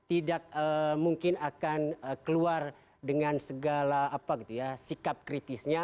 tidak mungkin akan keluar dengan segala sikap kritisnya